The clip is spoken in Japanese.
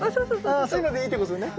ああそういうのでいいってことね。